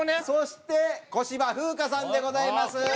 そして小芝風花さんでございます。